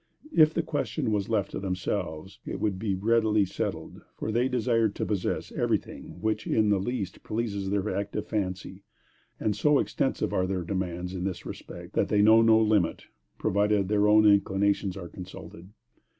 If the question was left to themselves, it would be readily settled; for, they desire to possess everything which in the least pleases their active fancy; and, so extensive are their demands in this respect, that they know no limit, provided their own inclinations are consulted.